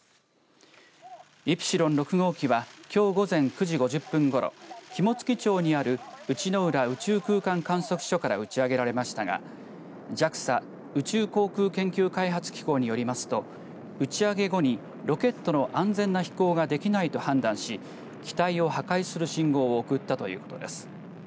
イプシロン６号機はきょう午前９時５０分ごろ肝付町にある内之浦宇宙空間観測所から打ち上げられましたがＪＡＸＡ、宇宙航空研究開発機構によりますと打ち上げ後にロケットの安全な飛行ができないと判断し機体を破壊する信号を送ったということです。